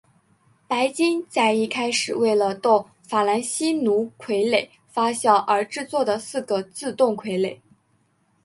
白金在一开始为了逗法兰西奴傀儡发笑而制作的四个自动傀儡。